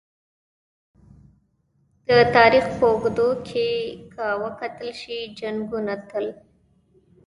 د تاریخ په اوږدو کې که وکتل شي! جنګونه تل